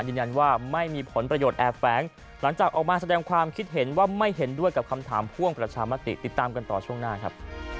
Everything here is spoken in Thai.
ยืนยันว่าไม่มีผลประโยชน์แอบแฝงหลังจากออกมาแสดงความคิดเห็นว่าไม่เห็นด้วยกับคำถามพ่วงประชามติติดตามกันต่อช่วงหน้าครับ